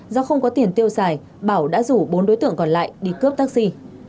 do không có tiền tiêu xài bảo đã rủ bốn đối tượng còn lại đi cướp taxi